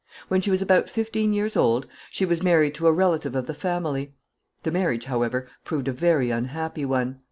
When she was about fifteen years old she was married to a relative of the family. The marriage, however, proved a very unhappy one.